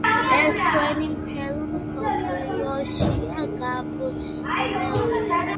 ეს ქვები მთელ მსოფლიოშია გაბნეული.